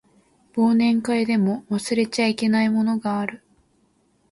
忘年会でも忘れちゃいけないものがある